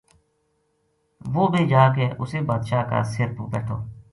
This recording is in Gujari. وہ بھی جا کے اُسے بادشاہ کا سر پو بیٹھو